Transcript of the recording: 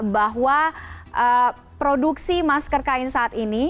bahwa produksi masker kain saat ini